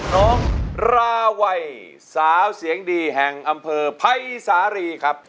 น้องราวัยสาวเสียงดีแห่งอำเภอภัยสารีครับ